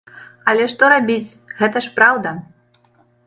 Але што рабіць, гэта ж праўда!